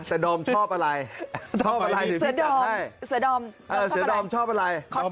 แต่ดอมชอบอะไรชอบอะไรหรือพี่จัดให้เสือดอมชอบอะไรชอบ